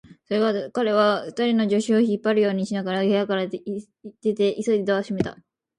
それから彼は、二人の助手を引っ張るようにしながら部屋から出て、急いでドアを閉めた。